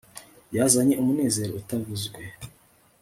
yazanye umunezero utavuzwe